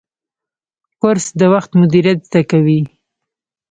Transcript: کورس د وخت مدیریت زده کوي.